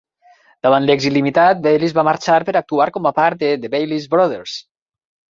Davant l'èxit limitat, Bailes va marxar per actuar com a part de The Bailes Brothers.